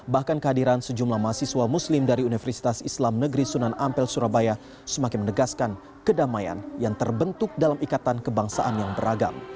bahkan kehadiran sejumlah mahasiswa muslim dari universitas islam negeri sunan ampel surabaya semakin menegaskan kedamaian yang terbentuk dalam ikatan kebangsaan yang beragam